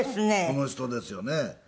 この人ですよね。